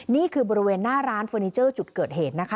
นี่คือบริเวณหน้าร้านเฟอร์นิเจอร์จุดเกิดเหตุนะคะ